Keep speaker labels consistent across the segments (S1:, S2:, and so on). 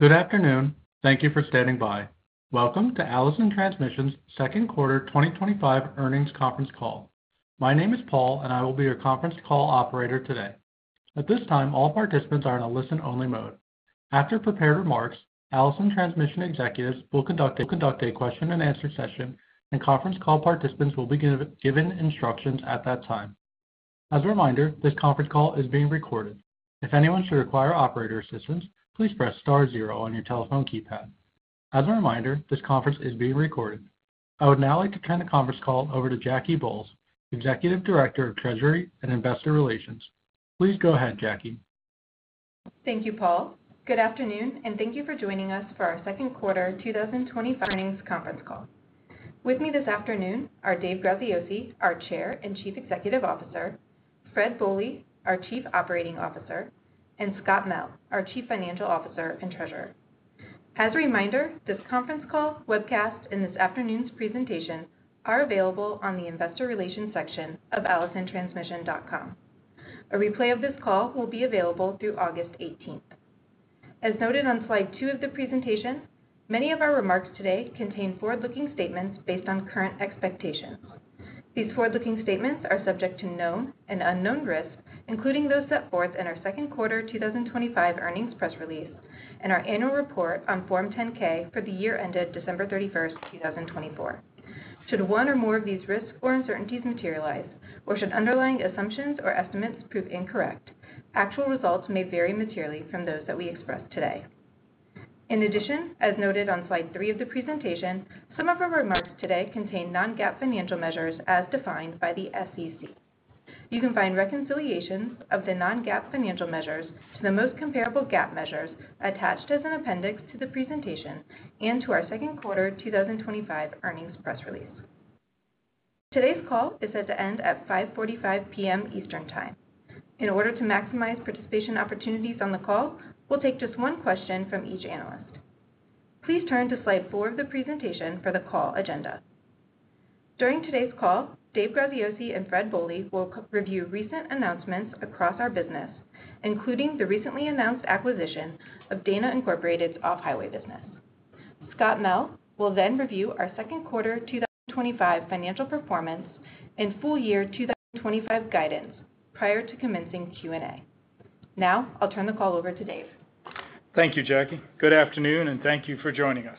S1: Good afternoon. Thank you for standing by. Welcome to Allison Transmission's Second Quarter 2025 Earnings Conference Call. My name is Paul, and I will be your conference call operator today. At this time, all participants are in a listen-only mode. After prepared remarks, Allison Transmission executives will conduct a question and answer session, and conference call participants will be given instructions at that time. As a reminder, this conference call is being recorded. If anyone should require operator assistance, please press star zero on your telephone keypad. As a reminder, this conference is being recorded. I would now like to turn the conference call over to Jackie Bolles, Executive Director of Treasury & Investor Relations. Please go ahead, Jackie.
S2: Thank you, Paul. Good afternoon, and thank you for joining us for our Second Quarter 2025 Earnings Conference Call. With me this afternoon are Dave Graziosi, our Chair and Chief Executive Officer; Fred Bohley, our Chief Operating Officer; and Scott Mell, our Chief Financial Officer and Treasurer. As a reminder, this conference call, webcast, and this afternoon's presentation are available on the investor relations section of allisontransmission.com. A replay of this call will be available through August 18th. As noted on slide two of the presentation, many of our remarks today contain forward-looking statements based on current expectations. These forward-looking statements are subject to known and unknown risks, including those set forth in our second quarter 2025 earnings press release and our annual report on Form 10-K for the year ended December 31st, 2024. Should one or more of these risks or uncertainties materialize, or should underlying assumptions or estimates prove incorrect, actual results may vary materially from those that we express today. In addition, as noted on slide three of the presentation, some of our remarks today contain non-GAAP financial measures as defined by the SEC. You can find reconciliations of the non-GAAP financial measures to the most comparable GAAP measures attached as an appendix to the presentation and to our second quarter 2025 earnings press release. Today's call is set to end at 5:45 P.M. Eastern Time. In order to maximize participation opportunities on the call, we'll take just one question from each analyst. Please turn to slide four of the presentation for the call agenda. During today's call, Dave Graziosi and Fred Bohley will review recent announcements across our business, including the recently announced acquisition of Dana Incorporated's Off-Highway business. Scott Mell will then review our second quarter 2025 financial performance and full year 2025 guidance prior to commencing Q&A. Now, I'll turn the call over to Dave.
S3: Thank you, Jackie. Good afternoon, and thank you for joining us.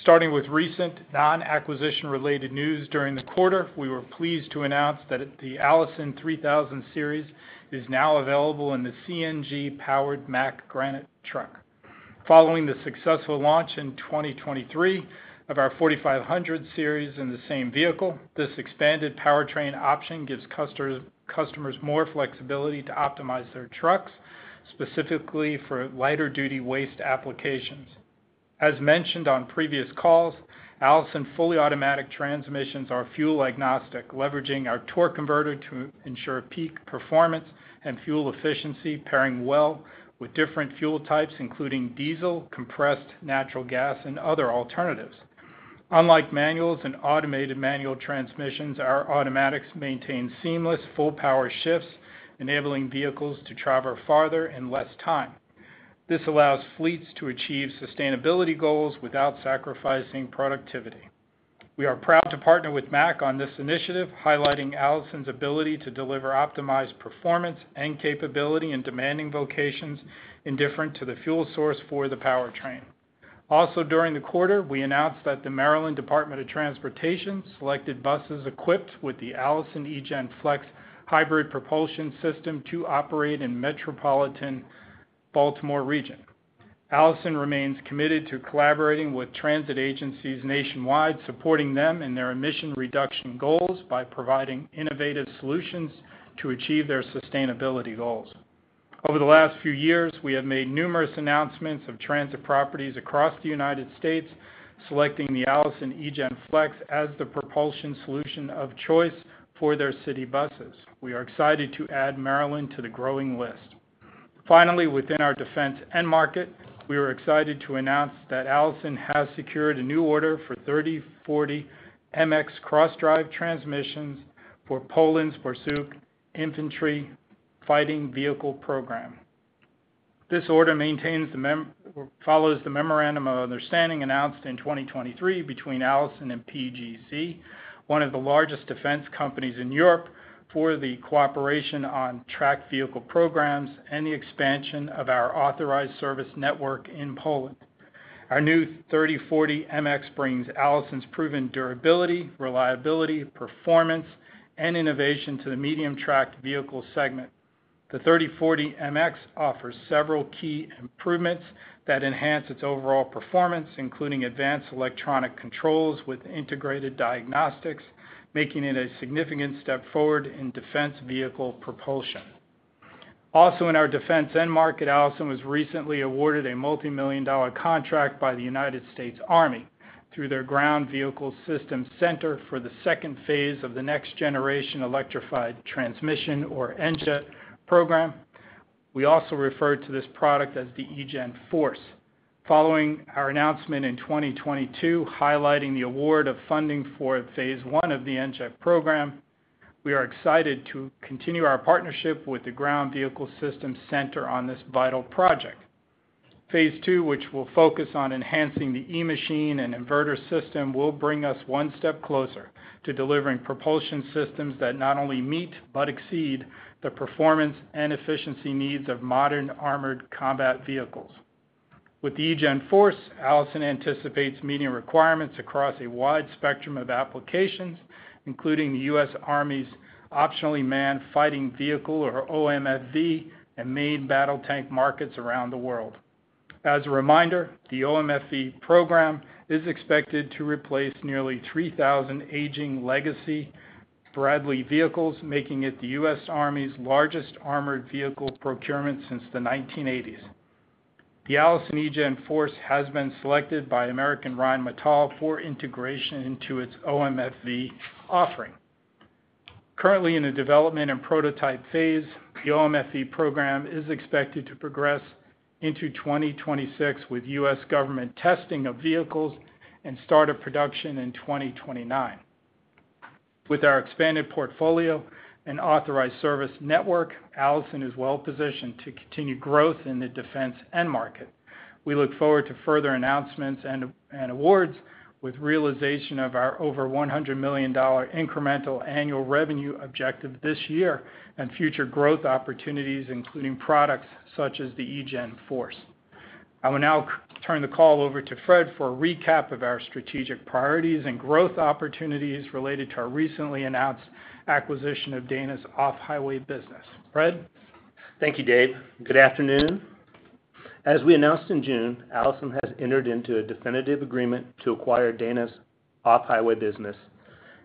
S3: Starting with recent non-acquisition-related news during the quarter, we were pleased to announce that the Allison 3000 Series is now available in the CNG-powered Mack Granite truck. Following the successful launch in 2023 of our 4500 Series in the same vehicle, this expanded powertrain option gives customers more flexibility to optimize their trucks, specifically for lighter-duty waste applications. As mentioned on previous calls, Allison's fully automatic transmissions are fuel agnostic, leveraging our torque converter to ensure peak performance and fuel efficiency, pairing well with different fuel types, including diesel, compressed natural gas, and other alternatives. Unlike manuals and automated manual transmissions, our automatics maintain seamless, full-power shifts, enabling vehicles to travel farther in less time. This allows fleets to achieve sustainability goals without sacrificing productivity. We are proud to partner with Mack on this initiative, highlighting Allison's ability to deliver optimized performance and capability in demanding vocations indifferent to the fuel source for the powertrain. Also, during the quarter, we announced that the Maryland Department of Transportation selected buses equipped with the Allison eGen Flex hybrid propulsion system to operate in the metropolitan Baltimore region. Allison remains committed to collaborating with transit agencies nationwide, supporting them in their emission reduction goals by providing innovative solutions to achieve their sustainability goals. Over the last few years, we have made numerous announcements of transit properties across the United States selecting the Allison eGen Flex as the propulsion solution of choice for their city buses. We are excited to add Maryland to the growing list. Finally, within our defense end market, we are excited to announce that Allison has secured a new order for 3040 MX cross-drive transmissions for Poland's Borsuk Infantry Fighting Vehicle program. This order follows the memorandum of understanding announced in 2023 between Allison and PGZ, one of the largest defense companies in Europe, for the cooperation on track vehicle programs and the expansion of our authorized service network in Poland. Our new 3040 MX brings Allison's proven durability, reliability, performance, and innovation to the medium track vehicle segment. The 3040 MX offers several key improvements that enhance its overall performance, including advanced electronic controls with integrated diagnostics, making it a significant step forward in defense vehicle propulsion. Also, in our defense end market, Allison was recently awarded a multimillion-dollar contract by the U.S. Army through their Ground Vehicle Systems Center for the second phase of the Next Generation Electrified Transmission, or NGET, program. We also refer to this product as the eGen Force. Following our announcement in 2022, highlighting the award of funding for phase I of the NGET program, we are excited to continue our partnership with the Ground Vehicle Systems Center on this vital project. Phase II, which will focus on enhancing the e-machine and inverter system, will bring us one step closer to delivering propulsion systems that not only meet but exceed the performance and efficiency needs of modern armored combat vehicles. With the eGen Force, Allison anticipates meeting requirements across a wide spectrum of applications, including the U.S. Army's Optionally Manned Fighting Vehicle, or OMFV, and main battle tank markets around the world. As a reminder, the OMFV program is expected to replace nearly 3,000 aging legacy Bradley vehicles, making it the U.S. Army's largest armored vehicle procurement since the 1980s. The Allison eGen Force has been selected by American Rheinmetall for integration into its OMFV offering. Currently in a development and prototype phase, the OMFV program is expected to progress into 2026, with U.S. government testing of vehicles and start of production in 2029. With our expanded portfolio and authorized service network, Allison is well-positioned to continue growth in the defense end market. We look forward to further announcements and awards, with the realization of our over $100 million incremental annual revenue objective this year and future growth opportunities, including products such as the eGen Force. I will now turn the call over to Fred for a recap of our strategic priorities and growth opportunities related to our recently announced acquisition of Dana's Off-Highway business. Fred?
S4: Thank you, Dave. Good afternoon. As we announced in June, Allison has entered into a definitive agreement to acquire Dana's Off-Highway business.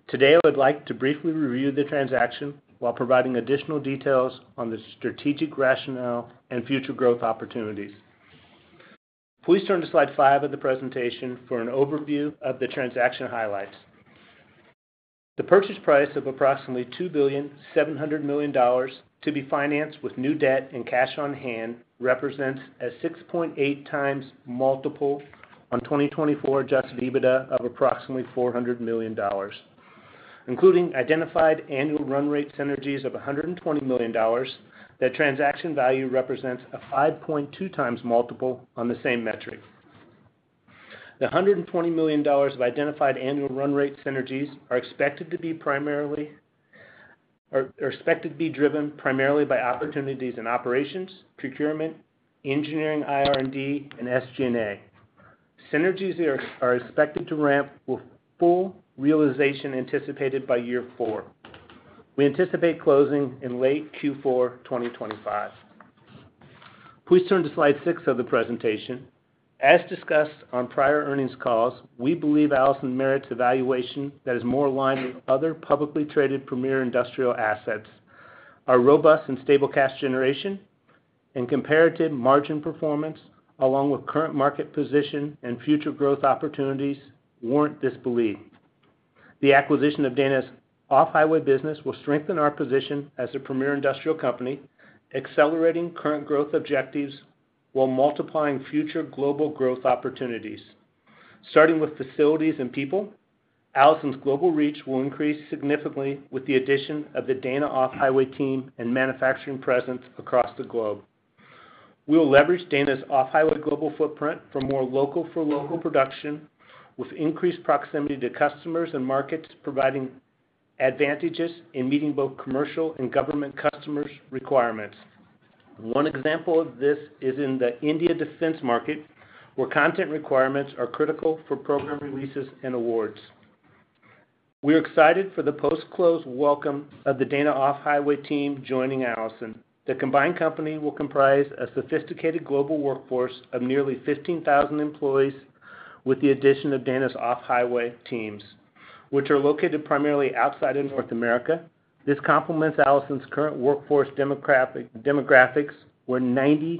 S4: Today, I would like to briefly review the transaction while providing additional details on the strategic rationale and future growth opportunities. Please turn to slide five of the presentation for an overview of the transaction highlights. The purchase price of approximately $2,700 million to be financed with new debt and cash on hand represents a 6.8x multiple on 2024 adjusted EBITDA of approximately $400 million, including identified annual run-rate synergies of $120 million. The transaction value represents a 5.2x multiple on the same metric. The $120 million of identified annual run-rate synergies are expected to be primarily driven by opportunities in operations, procurement, engineering, IR&D, and SG&A. Synergies are expected to ramp with full realization anticipated by year four. We anticipate closing in late Q4 2025. Please turn to slide six of the presentation. As discussed on prior earnings calls, we believe Allison merits evaluation that is more aligned with other publicly traded premier industrial assets. Our robust and stable cash generation and comparative margin performance, along with current market position and future growth opportunities, warrant this belief. The acquisition of Dana's Off-Highway business will strengthen our position as a premier industrial company, accelerating current growth objectives while multiplying future global growth opportunities. Starting with facilities and people, Allison's global reach will increase significantly with the addition of the Dana Off-Highway team and manufacturing presence across the globe. We will leverage Dana's Off-Highway global footprint for more local-for-local production, with increased proximity to customers and markets providing advantages in meeting both commercial and government customers' requirements. One example of this is in the India defense market, where content requirements are critical for program releases and awards. We are excited for the post-close welcome of the Dana Off-Highway team joining Allison. The combined company will comprise a sophisticated global workforce of nearly 15,000 employees, with the addition of Dana's Off-Highway teams, which are located primarily outside of North America. This complements Allison's current workforce demographics, where 90%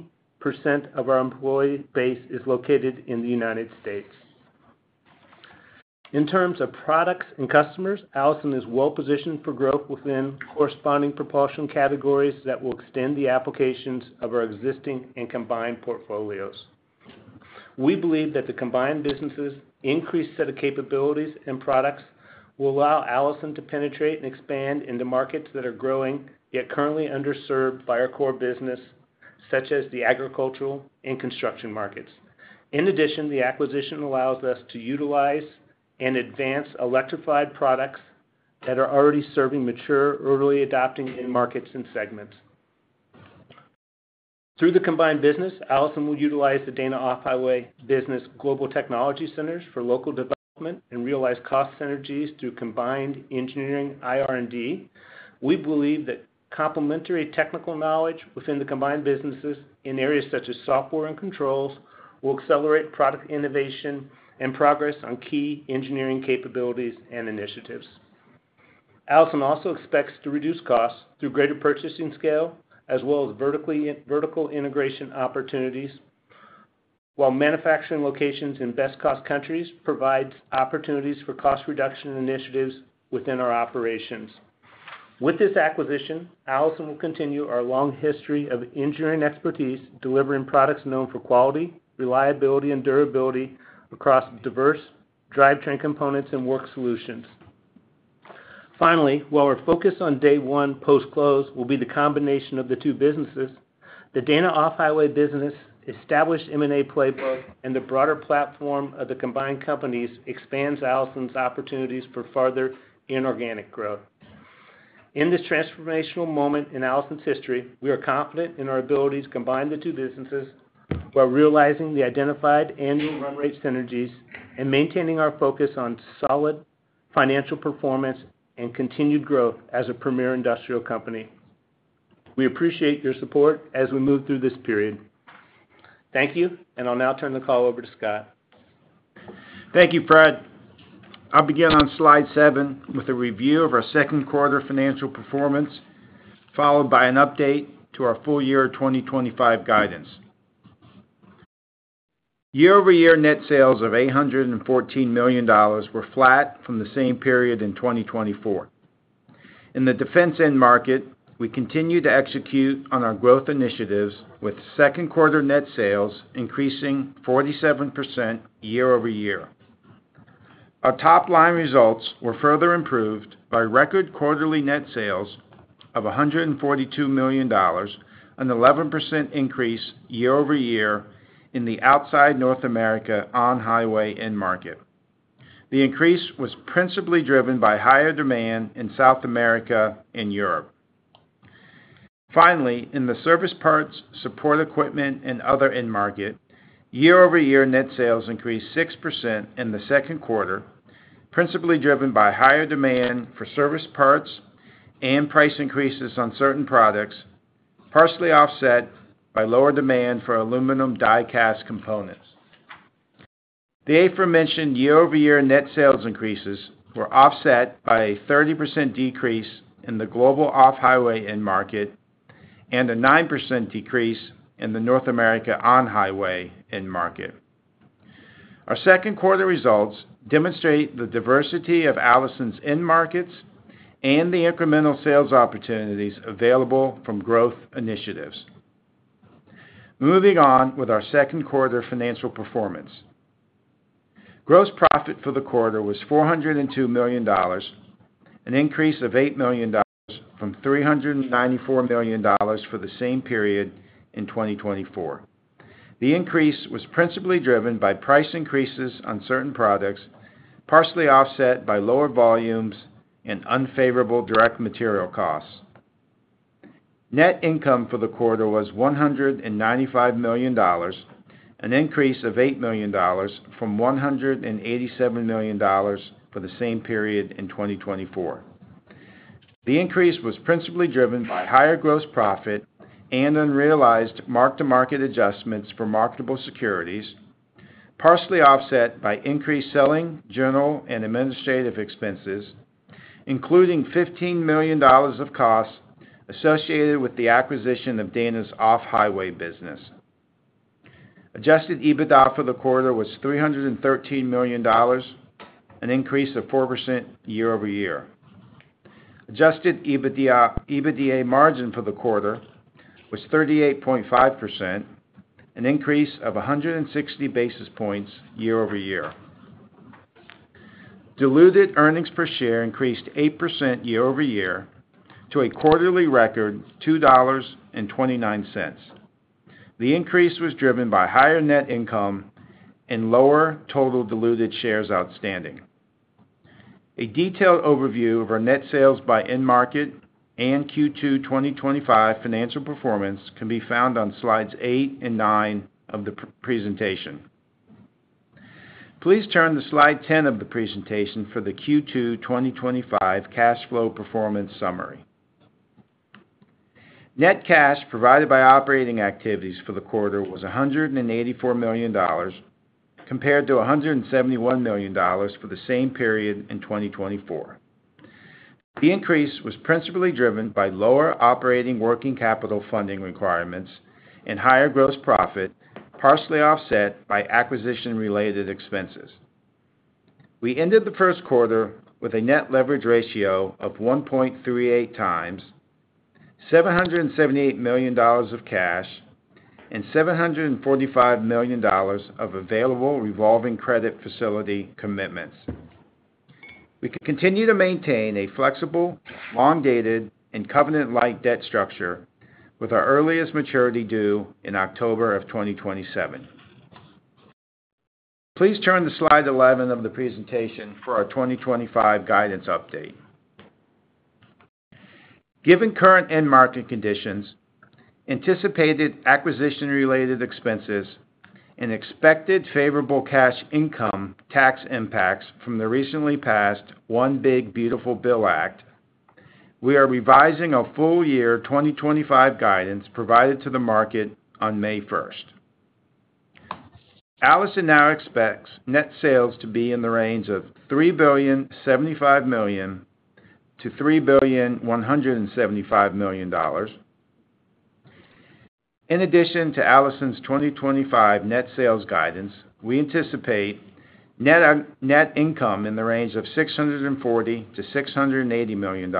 S4: of our employee base is located in the United States. In terms of products and customers, Allison is well-positioned for growth within corresponding propulsion categories that will extend the applications of our existing and combined portfolios. We believe that the combined business's increased set of capabilities and products will allow Allison to penetrate and expand into markets that are growing, yet currently underserved by our core business, such as the agricultural and construction markets. In addition, the acquisition allows us to utilize and advance electrified products that are already serving mature, early adopting markets and segments. Through the combined business, Allison will utilize the Dana Off-Highway business global technology centers for local development and realize cost synergies through combined engineering, IR&D. We believe that complementary technical knowledge within the combined businesses in areas such as software and controls will accelerate product innovation and progress on key engineering capabilities and initiatives. Allison also expects to reduce costs through greater purchasing scale, as well as vertical integration opportunities, while manufacturing locations in best-cost countries provide opportunities for cost reduction initiatives within our operations. With this acquisition, Allison will continue our long history of engineering expertise, delivering products known for quality, reliability, and durability across diverse drivetrain components and work solutions. Finally, while our focus on day one post-close will be the combination of the two businesses, the Dana Off-Highway business's established M&A playbook and the broader platform of the combined companies expand Allison's opportunities for further inorganic growth. In this transformational moment in Allison's history, we are confident in our ability to combine the two businesses while realizing the identified annual run-rate synergies and maintaining our focus on solid financial performance and continued growth as a premier industrial company. We appreciate your support as we move through this period. Thank you, and I'll now turn the call over to Scott.
S5: Thank you, Fred. I'll begin on slide seven with a review of our second quarter financial performance, followed by an update to our full year 2025 guidance. Year-over-year net sales of $814 million were flat from the same period in 2024. In the defense end market, we continue to execute on our growth initiatives, with second quarter net sales increasing 47% year-over-year. Our top-line results were further improved by record quarterly net sales of $142 million, an 11% increase year-over-year in the outside North America on-highway end market. The increase was principally driven by higher demand in South America and Europe. Finally, in the service parts, support equipment, and other end market, year-over-year net sales increased 6% in the second quarter, principally driven by higher demand for service parts and price increases on certain products, partially offset by lower demand for aluminum die cast components. The aforementioned year-over-year net sales increases were offset by a 30% decrease in the global off-highway end market and a 9% decrease in the North America on-highway end market. Our second quarter results demonstrate the diversity of Allison's end markets and the incremental sales opportunities available from growth initiatives. Moving on with our second quarter financial performance. Gross profit for the quarter was $402 million, an increase of $8 million from $394 million for the same period in 2024. The increase was principally driven by price increases on certain products, partially offset by lower volumes and unfavorable direct material costs. Net income for the quarter was $195 million, an increase of $8 million from $187 million for the same period in 2024. The increase was principally driven by higher gross profit and unrealized mark-to-market adjustments for marketable securities, partially offset by increased selling, general, and administrative expenses, including $15 million of costs associated with the acquisition of Dana's Off-Highway business. Adjusted EBITDA for the quarter was $313 million, an increase of 4% year-over-year. Adjusted EBITDA margin for the quarter was 38.5%, an increase of 160 basis points year-over-year. Diluted earnings per share increased 8% year-over-year to a quarterly record $2.29. The increase was driven by higher net income and lower total diluted shares outstanding. A detailed overview of our net sales by in-market and Q2 2025 financial performance can be found on slides eight and nine of the presentation. Please turn to slide 10 of the presentation for the Q2 2025 cash flow performance summary. Net cash provided by operating activities for the quarter was $184 million, compared to $171 million for the same period in 2024. The increase was principally driven by lower operating working capital funding requirements and higher gross profit, partially offset by acquisition-related expenses. We ended the first quarter with a net leverage ratio of 1.38x, $778 million of cash, and $745 million of available revolving credit facility commitments. We continue to maintain a flexible, long-dated, and covenant-like debt structure, with our earliest maturity due in October of 2027. Please turn to slide 11 of the presentation for our 2025 guidance update. Given current end market conditions, anticipated acquisition-related expenses, and expected favorable cash income tax impacts from the recently passed One Big Beautiful Bill Act, we are revising our full year 2025 guidance provided to the market on May 1st. Allison now expects net sales to be in the range of $3,075 million-$3,175 million. In addition to Allison's 2025 net sales guidance, we anticipate net income in the range of $640 million-$680 million,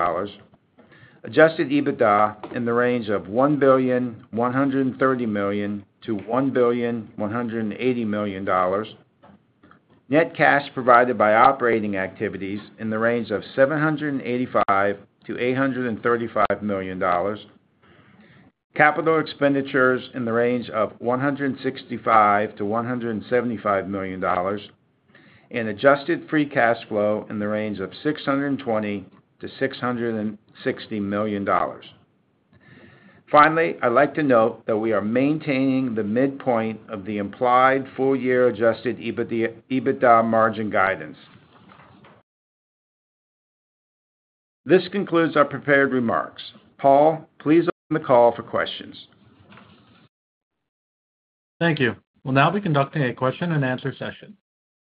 S5: adjusted EBITDA in the range of $1,130 million-$1,180 million, net cash provided by operating activities in the range of $785 million-$835 million, capital expenditures in the range of $165 million-$175 million, and adjusted free cash flow in the range of $620 million-$660 million. Finally, I'd like to note that we are maintaining the midpoint of the implied full-year adjusted EBITDA margin guidance. This concludes our prepared remarks. Paul, please open the call for questions.
S1: Thank you. We'll now be conducting a question and answer session.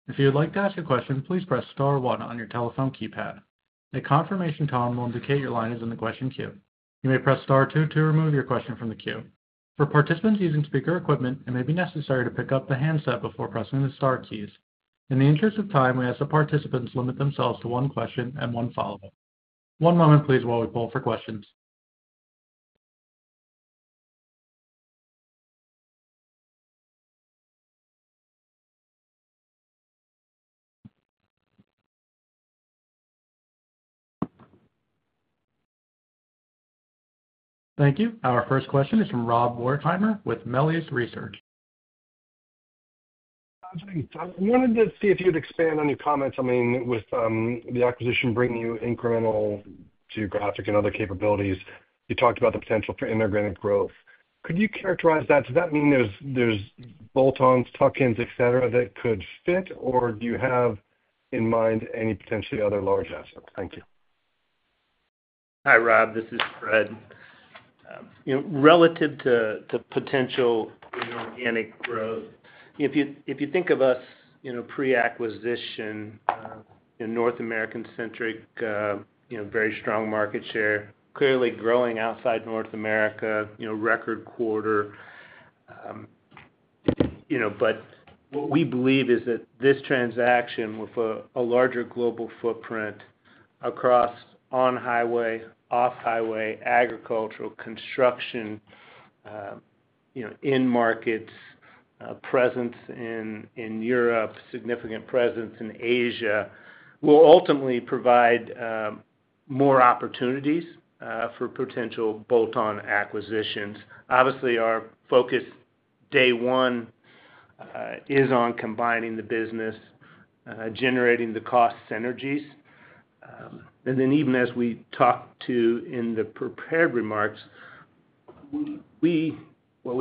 S1: If you would like to ask a question, please press star one on your telephone keypad. A confirmation column will indicate your line is in the question queue. You may press star two to remove your question from the queue. For participants using speaker equipment, it may be necessary to pick up the handset before pressing the star keys. In the interest of time, we ask that participants limit themselves to one question and one follow-up. One moment, please, while we poll for questions. Thank you. Our first question is from Rob Wertheimer with Melius Research.
S6: Thanks. I wanted to see if you could expand on your comments. I mean, with the acquisition bringing you incremental geographic and other capabilities, you talked about the potential for inorganic growth. Could you characterize that? Does that mean there's bolt-ons, tuck-ins, etc., that could fit, or do you have in mind any potentially other large assets? Thank you.
S4: Hi, Rob. This is Fred. Relative to potential inorganic growth, if you think of us pre-acquisition, North American-centric, very strong market share, clearly growing outside North America, record quarter. What we believe is that this transaction with a larger global footprint across on-highway, off-highway, agricultural, construction, in markets, a presence in Europe, significant presence in Asia will ultimately provide more opportunities for potential bolt-on acquisitions. Obviously, our focus day one is on combining the business, generating the cost synergies, and even as we talked to in the prepared remarks, we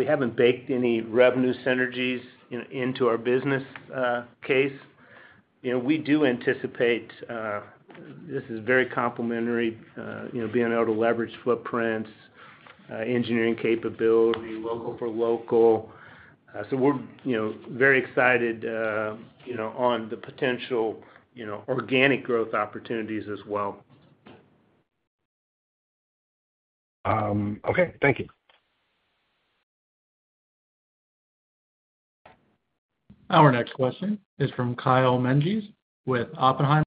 S4: haven't baked any revenue synergies into our business case. We do anticipate this is very complementary, being able to leverage footprints, engineering capability, local-for-local. We're very excited on the potential organic growth opportunities as well.
S6: Okay, thank you.
S1: Our next question is from Kyle Menges with Oppenheimer.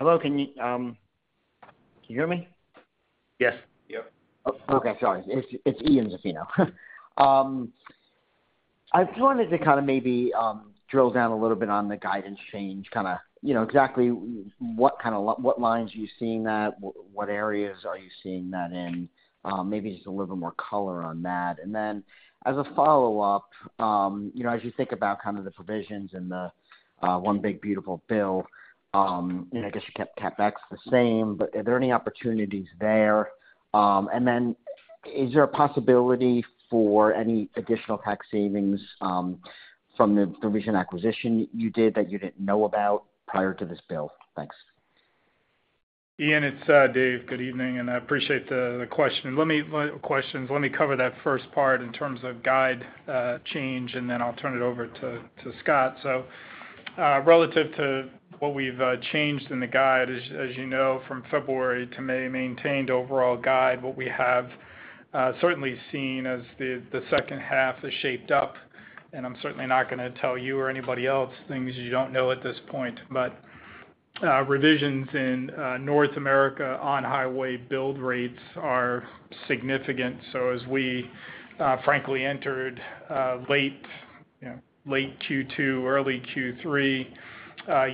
S7: Hello. Can you hear me? Yes.
S3: Yep.
S7: Okay. Sorry. It's Ian, just so you know. I just wanted to maybe drill down a little bit on the guidance change, exactly what lines are you seeing that, what areas are you seeing that in, maybe just a little bit more color on that. As a follow-up, as you think about the provisions and the One Big Beautiful Bill, I guess the CapEx is the same, but are there any opportunities there? Is there a possibility for any additional tax savings from the provision acquisition you did that you didn't know about prior to this bill? Thanks.
S3: Ian, it's Dave. Good evening, and I appreciate the questions. Let me cover that first part in terms of guide change, and then I'll turn it over to Scott. Relative to what we've changed in the guide, as you know, from February to May, maintained overall guide, what we have certainly seen as the second half is shaped up, and I'm certainly not going to tell you or anybody else things you don't know at this point, but revisions in North America on-highway build rates are significant. As we frankly entered late, you know, late Q2, early Q3,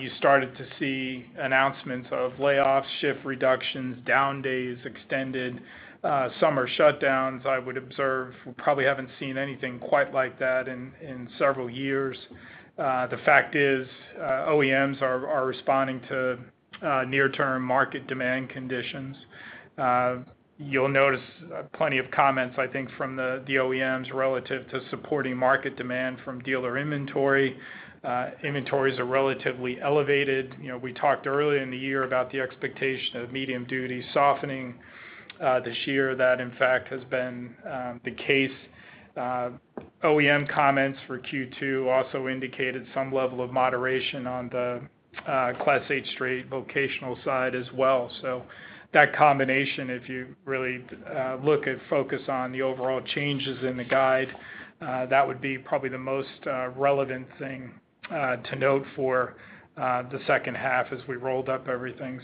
S3: you started to see announcements of layoffs, shift reductions, down days, extended summer shutdowns. I would observe we probably haven't seen anything quite like that in several years. The fact is OEMs are responding to near-term market demand conditions. You'll notice plenty of comments, I think, from the OEMs relative to supporting market demand from dealer inventory. Inventories are relatively elevated. We talked earlier in the year about the expectation of medium duty softening this year. That, in fact, has been the case. OEM comments for Q2 also indicated some level of moderation on the Class 8 straight vocational side as well. That combination, if you really look and focus on the overall changes in the guide, that would be probably the most relevant thing to note for the second half as we rolled up everything.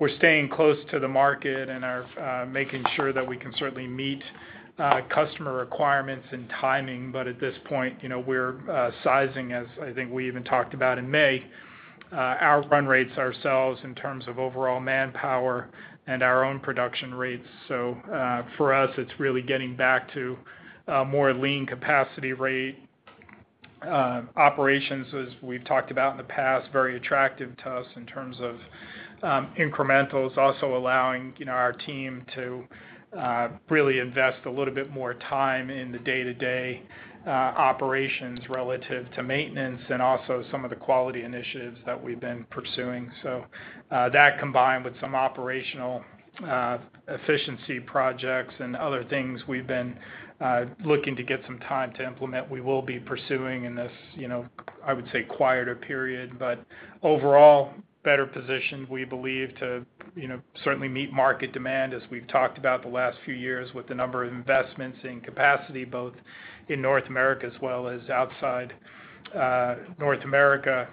S3: We're staying close to the market and are making sure that we can certainly meet customer requirements and timing. At this point, we're sizing, as I think we even talked about in May, our run rates ourselves in terms of overall manpower and our own production rates. For us, it's really getting back to a more lean capacity rate. Operations, as we've talked about in the past, are very attractive to us in terms of incrementals, also allowing our team to really invest a little bit more time in the day-to-day operations relative to maintenance and also some of the quality initiatives that we've been pursuing. That combined with some operational efficiency projects and other things we've been looking to get some time to implement, we will be pursuing in this, you know, I would say quieter period. Overall, better positioned, we believe, to certainly meet market demand, as we've talked about the last few years with the number of investments in capacity, both in North America as well as outside North America,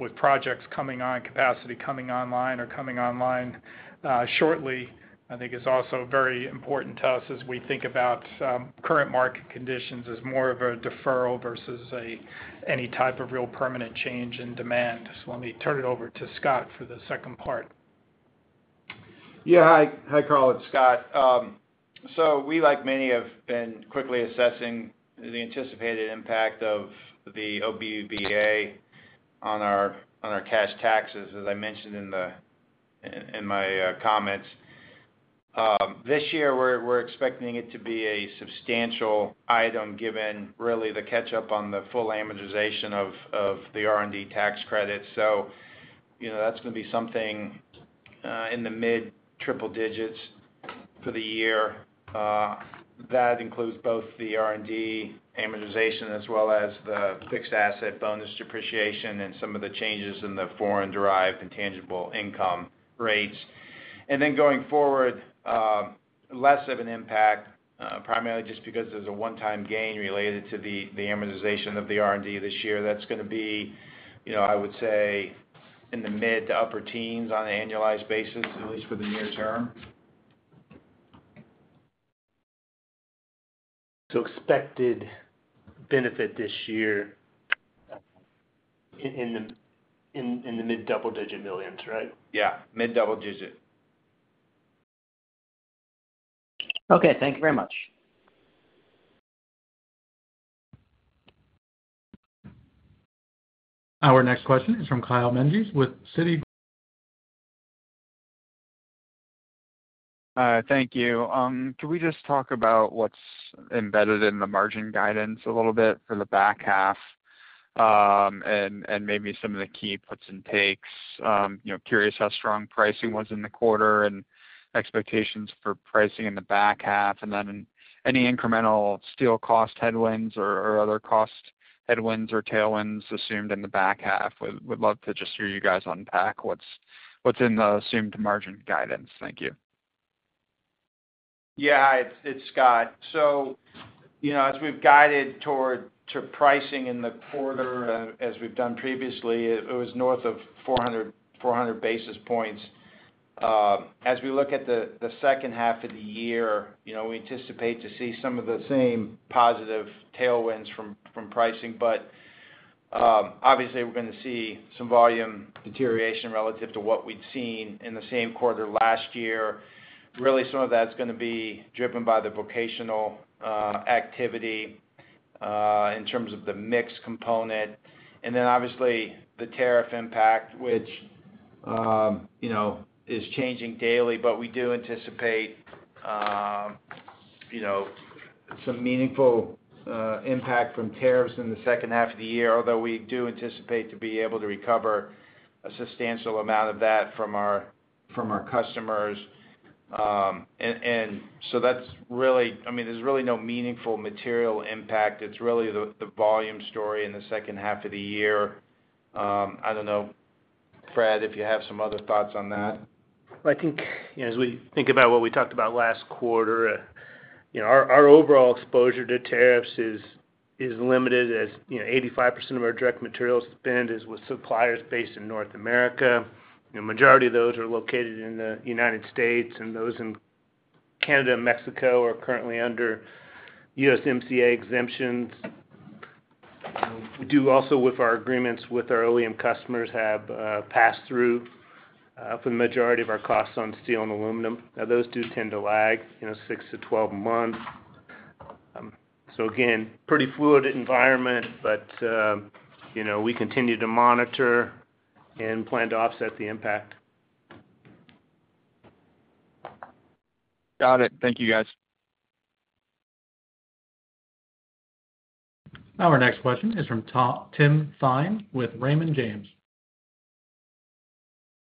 S3: with projects coming on, capacity coming online or coming online shortly. I think it's also very important to us as we think about current market conditions as more of a deferral versus any type of real permanent change in demand. Let me turn it over to Scott for the second part.
S5: Yeah. Hi, Ian, it's Scott. We, like many, have been quickly assessing the anticipated impact of the OBBBA on our cash taxes, as I mentioned in my comments. This year, we're expecting it to be a substantial item given really the catch-up on the full amortization of the R&D tax credit. That's going to be something in the mid-triple digits for the year. That includes both the R&D amortization as well as the fixed asset bonus depreciation and some of the changes in the foreign derived intangible income rates. Going forward, less of an impact, primarily just because there's a one-time gain related to the amortization of the R&D this year. That's going to be, I would say, in the mid to upper teens on an annualized basis, at least for the near term.
S7: Expected benefit this year in the mid-double-digit millions, right?
S5: Yeah, mid-double digit.
S7: Okay, thank you very much.
S1: Our next question is from Kyle Menges with Citi.
S8: Thank you. Can we just talk about what's embedded in the margin guidance a little bit for the back half and maybe some of the key puts and takes? Curious how strong pricing was in the quarter and expectations for pricing in the back half, and then any incremental steel cost headwinds or other cost headwinds or tailwinds assumed in the back half. We'd love to just hear you guys unpack what's in the assumed margin guidance. Thank you.
S5: Yeah, it's Scott. As we've guided toward pricing in the quarter, as we've done previously, it was north of 400 basis points. As we look at the second half of the year, we anticipate to see some of the same positive tailwinds from pricing, but obviously, we're going to see some volume deterioration relative to what we'd seen in the same quarter last year. Some of that's going to be driven by the vocational activity in terms of the mixed component. Obviously, the tariff impact, which is changing daily, but we do anticipate some meaningful impact from tariffs in the second half of the year, although we do anticipate to be able to recover a substantial amount of that from our customers. That's really, I mean, there's really no meaningful material impact. It's really the volume story in the second half of the year. I don't know, Fred, if you have some other thoughts on that.
S4: I think, as we think about what we talked about last quarter, our overall exposure to tariffs is limited as 85% of our direct materials spend is with suppliers based in North America. The majority of those are located in the United States, and those in Canada and Mexico are currently under USMCA exemptions. We do also, with our agreements with our OEM customers, have pass-through for the majority of our costs on steel and aluminum. Now, those do tend to lag in a 6-12 months. Again, pretty fluid environment, but we continue to monitor and plan to offset the impact.
S8: Got it. Thank you, guys.
S1: Our next question is from Tim Thein with Raymond James.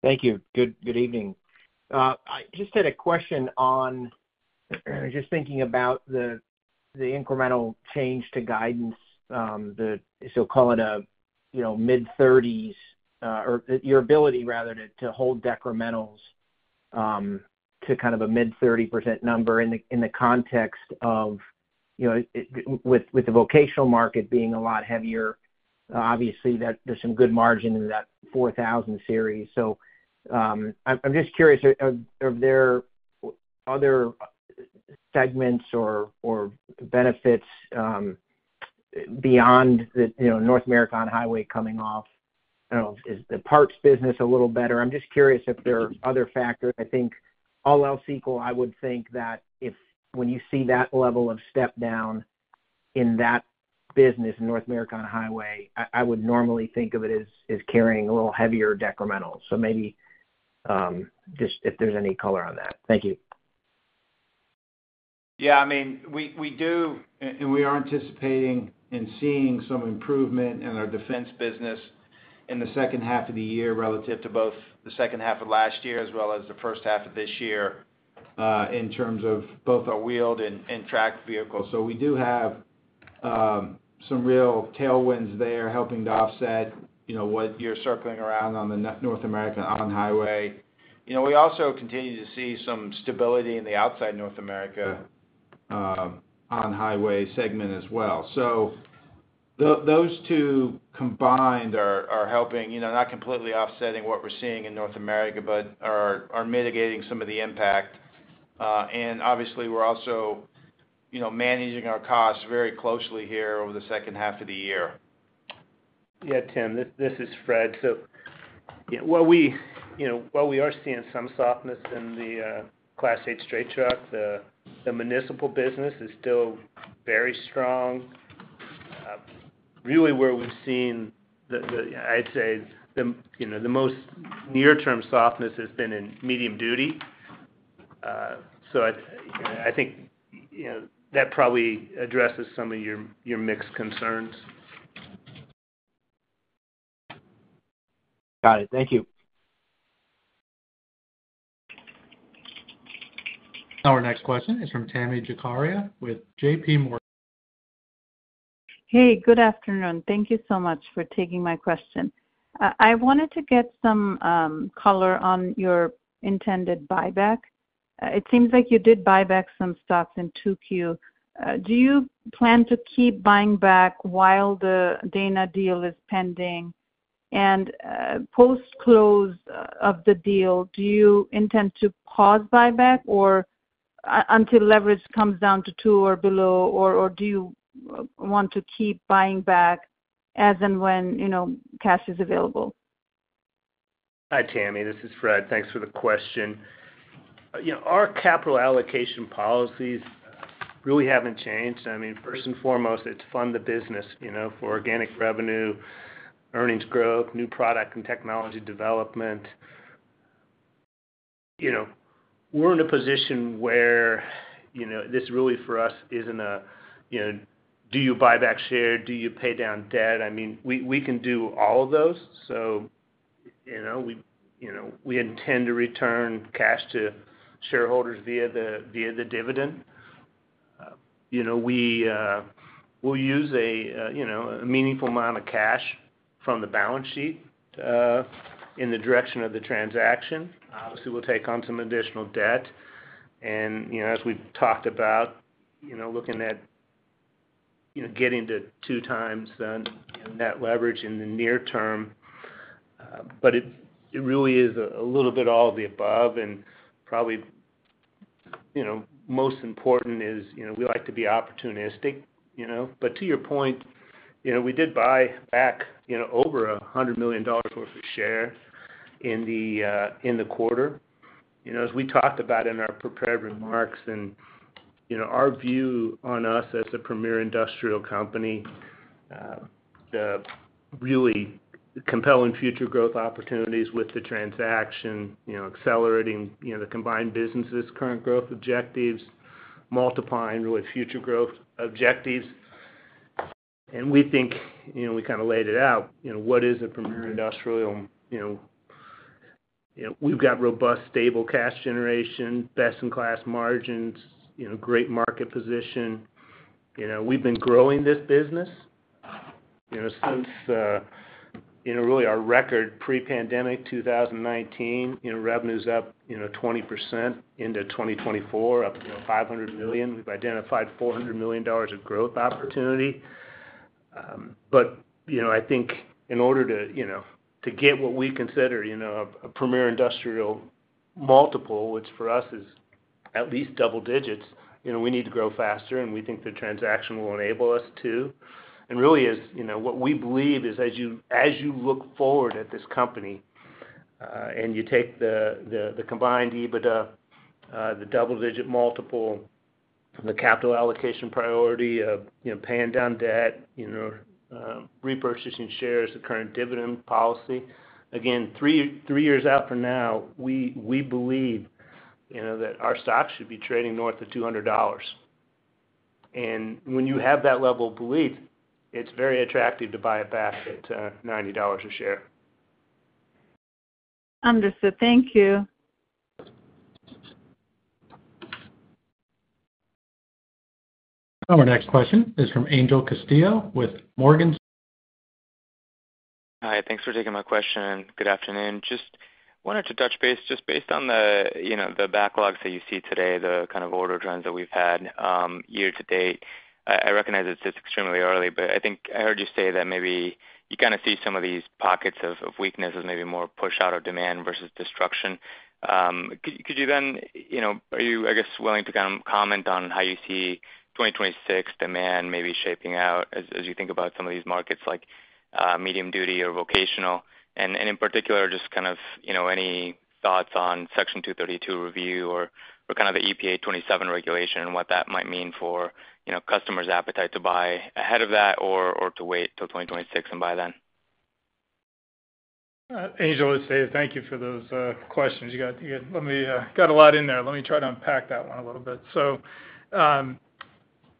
S9: Thank you. Good evening. I just had a question on, I was just thinking about the incremental change to guidance, so call it a, you know, mid-30%, or your ability, rather, to hold decrementals to kind of a mid-30% number in the context of, you know, with the vocational market being a lot heavier. Obviously, there's some good margin in that 4000 Series. I'm just curious, are there other segments or benefits beyond the North America on-highway coming off? I don't know if the parts business is a little better. I'm just curious if there are other factors. I think all else equal, I would think that if when you see that level of step down in that business, in North America on-highway, I would normally think of it as carrying a little heavier decremental. Maybe just if there's any color on that. Thank you.
S5: Yeah, I mean, we do, and we are anticipating and seeing some improvement in our defense business in the second half of the year relative to both the second half of last year as well as the first half of this year in terms of both our wheeled and tracked vehicles. We do have some real tailwinds there helping to offset what you're circling around on the North America on-highway. We also continue to see some stability in the outside North America on-highway segment as well. Those two combined are helping, not completely offsetting what we're seeing in North America, but are mitigating some of the impact. Obviously, we're also managing our costs very closely here over the second half of the year.
S4: Yeah, Tim, this is Fred. While we are seeing some softness in the Class 8 straight truck, the municipal business is still very strong. Really, where we've seen the most near-term softness has been in medium duty. I think that probably addresses some of your mixed concerns.
S9: Got it. Thank you.
S1: Our next question is from Tami Zakaria with JPMorgan.
S10: Hey, good afternoon. Thank you so much for taking my question. I wanted to get some color on your intended buyback. It seems like you did buy back some stocks in 2Q. Do you plan to keep buying back while the Dana deal is pending? Post-close of the deal, do you intend to pause buyback until leverage comes down to 2x or below, or do you want to keep buying back as and when, you know, cash is available?
S4: Hi, Tami. This is Fred. Thanks for the question. Our capital allocation policies really haven't changed. First and foremost, it's to fund the business for organic revenue, earnings growth, new product and technology development. We're in a position where this really, for us, isn't a do you buy back share, do you pay down debt. We can do all of those. We intend to return cash to shareholders via the dividend. We'll use a meaningful amount of cash from the balance sheet in the direction of the transaction. We'll take on some additional debt. As we've talked about, looking at getting to 2x net leverage in the near term. It really is a little bit all of the above. Probably most important is we like to be opportunistic. To your point, we did buy back over $100 million worth of share in the quarter, as we talked about in our prepared remarks, and our view on us as a premier industrial company, the really compelling future growth opportunities with the transaction, accelerating the combined business's current growth objectives, multiplying with future growth objectives. We think we kind of laid it out. What is a premier industrial? We've got robust, stable cash generation, best-in-class margins, great market position. We've been growing this business since really our record pre-pandemic 2019. Revenues up 20% into 2024, up to $500 million. We've identified $400 million of growth opportunity. I think in order to get what we consider a premier industrial multiple, which for us is at least double digits, we need to grow faster, and we think the transaction will enable us to. Really, as you know, what we believe is as you look forward at this company and you take the combined EBITDA, the double-digit multiple, and the capital allocation priority of paying down debt, repurchasing shares, the current dividend policy. Again, three years out from now, we believe that our stock should be trading north of $200. When you have that level of belief, it's very attractive to buy it back to $90 a share.
S10: Understood. Thank you.
S1: Our next question is from Angel Castillo with Morgan Stanley.
S11: Hi. Thanks for taking my question and good afternoon. Just wanted to touch base based on the backlogs that you see today, the kind of order trends that we've had year to date. I recognize it's extremely early, but I think I heard you say that maybe you see some of these pockets of weaknesses, maybe more push-out of demand versus destruction. Could you then, are you willing to comment on how you see 2026 demand maybe shaping out as you think about some of these markets like medium duty or vocational? In particular, any thoughts on Section 232 review or the EPA 2027 regulation and what that might mean for customers' appetite to buy ahead of that or to wait till 2026 and buy then?
S3: Angel, I'd say thank you for those questions. You got a lot in there. Let me try to unpack that one a little bit.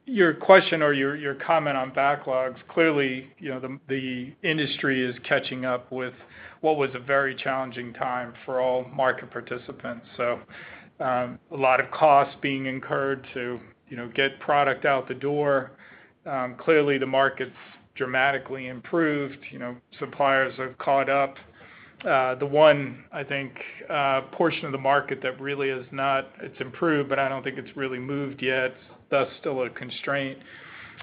S3: Your question or your comment on backlogs, clearly, you know, the industry is catching up with what was a very challenging time for all market participants. A lot of costs being incurred to, you know, get product out the door. Clearly, the market's dramatically improved. Suppliers have caught up. The one, I think, portion of the market that really is not, it's improved, but I don't think it's really moved yet. That's still a constraint.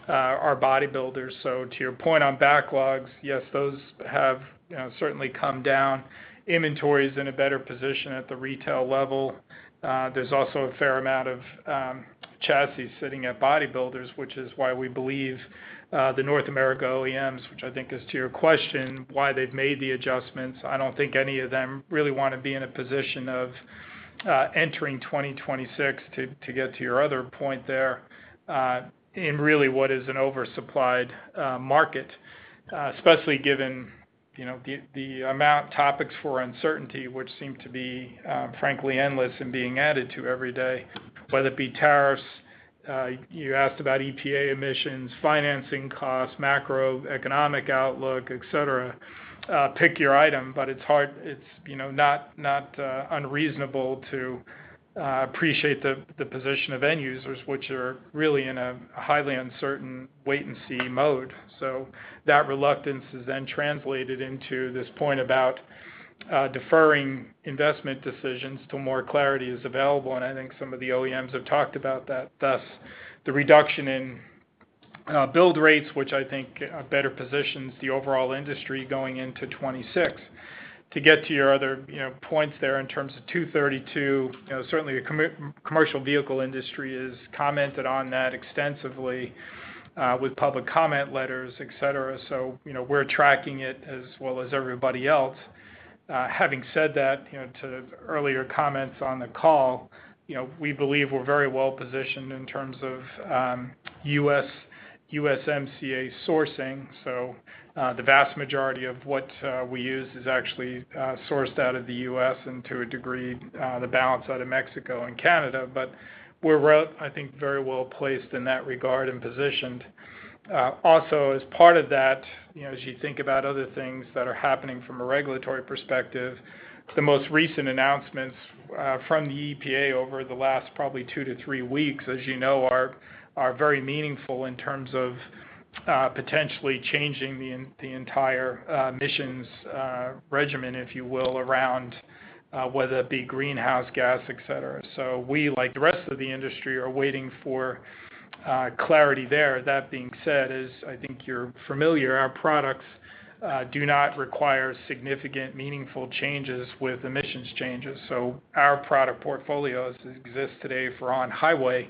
S3: Our body builders. To your point on backlogs, yes, those have, you know, certainly come down. Inventory is in a better position at the retail level. There's also a fair amount of chassis sitting at body builders, which is why we believe the North America OEMs, which I think is to your question, why they've made the adjustments. I don't think any of them really want to be in a position of entering 2026 to get to your other point there in really what is an oversupplied market, especially given, you know, the amount of topics for uncertainty, which seem to be, frankly, endless and being added to every day, whether it be tariffs. You asked about EPA emissions, financing costs, macroeconomic outlook, etc. Pick your item, but it's hard, it's, you know, not unreasonable to appreciate the position of end users, which are really in a highly uncertain wait-and-see mode. That reluctance is then translated into this point about deferring investment decisions till more clarity is available. I think some of the OEMs have talked about that. Thus, the reduction in build rates, which I think better positions the overall industry going into 2026. To get to your other, you know, points there in terms of 232, you know, certainly the commercial vehicle industry has commented on that extensively with public comment letters, etc. We're tracking it as well as everybody else. Having said that, to earlier comments on the call, we believe we're very well positioned in terms of USMCA sourcing. The vast majority of what we use is actually sourced out of the U.S. and to a degree the balance out of Mexico and Canada. We're, I think, very well placed in that regard and positioned. Also, as part of that, as you think about other things that are happening from a regulatory perspective, the most recent announcements from the EPA over the last probably two to three weeks, as you know, are very meaningful in terms of potentially changing the entire emissions regimen, if you will, around whether it be greenhouse gas, etc. We, like the rest of the industry, are waiting for clarity there. That being said, as I think you're familiar, our products do not require significant meaningful changes with emissions changes. Our product portfolio as it exists today for on-highway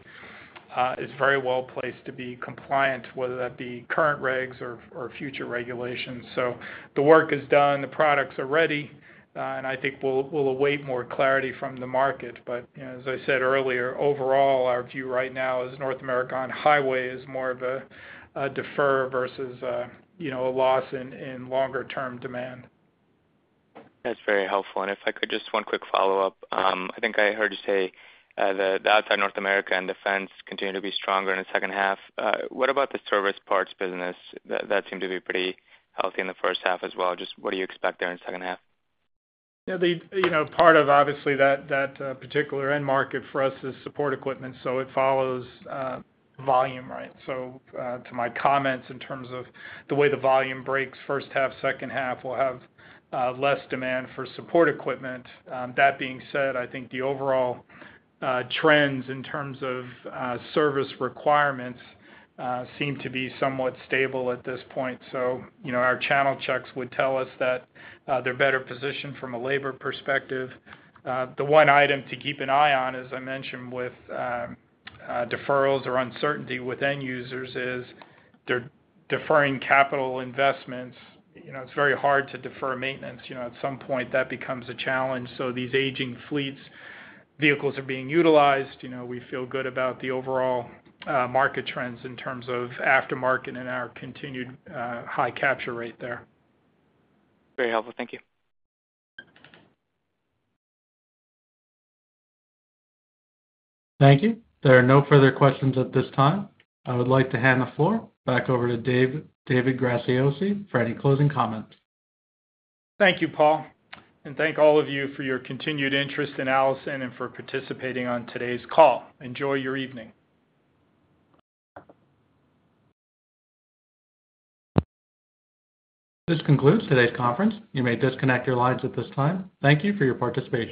S3: is very well placed to be compliant, whether that be current regs or future regulations. The work is done, the products are ready, and I think we'll await more clarity from the market. As I said earlier, overall, our view right now is North America on-highway is more of a defer versus a loss in longer-term demand.
S11: That's very helpful. If I could just one quick follow-up, I think I heard you say that outside North America and defense continue to be stronger in the second half. What about the service parts business? That seemed to be pretty healthy in the first half as well. Just what do you expect there in the second half?
S3: Yeah, they, you know, part of obviously that particular end market for us is support equipment. It follows volume, right? To my comments in terms of the way the volume breaks, first half, second half, we'll have less demand for support equipment. That being said, I think the overall trends in terms of service requirements seem to be somewhat stable at this point. Our channel checks would tell us that they're better positioned from a labor perspective. The one item to keep an eye on, as I mentioned, with deferrals or uncertainty with end users is they're deferring capital investments. It's very hard to defer maintenance. At some point that becomes a challenge. These aging fleets, vehicles are being utilized. We feel good about the overall market trends in terms of aftermarket and our continued high capture rate there.
S11: Very helpful. Thank you.
S1: Thank you. There are no further questions at this time. I would like to hand the floor back over to Dave Graziosi for any closing comments.
S3: Thank you, Paul. Thank all of you for your continued interest in Allison and for participating on today's call. Enjoy your evening.
S1: This concludes today's conference. You may disconnect your lines at this time. Thank you for your participation.